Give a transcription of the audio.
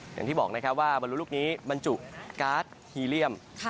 อย่างที่บอกนะครับว่าบรรลุลูกนี้บรรจุการ์ดฮีเรียม